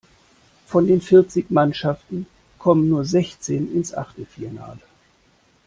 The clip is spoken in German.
Von den vierzig Mannschaften kommen nur sechzehn ins Achtelfinale.